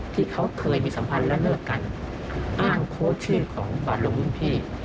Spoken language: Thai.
ที่เขาเคยมีสัมพันธ์และเลิกกันอ้างโค้ชชื่อของบาทลงรุ่นพี่